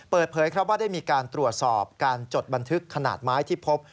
เปิดเผยครับว่าได้มีการตรวจสอบการจดบันทึกขนาดไม้ที่พบ